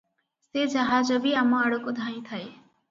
ସେ ଜାହାଜ ବି ଆମ ଆଡକୁ ଧାଇଁଥାଏ ।